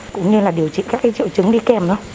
cũng như là điều trị các cái triệu chứng đi kèm thôi